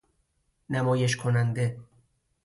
نمایش کننده